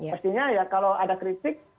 pastinya ya kalau ada kritik